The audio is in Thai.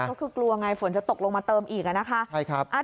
ก็คือกลัวไงฝนจะตกลงมาเติมอีกนะคะ